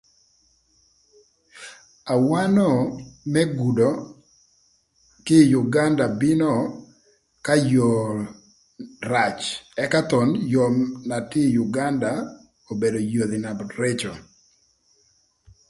Awano më gudo kï ï Uganda bino ka yoo rac ëka thon yoo na tye ï Uganda obedo yodhi na rëcö.